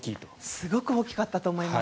すごく大きかったと思います。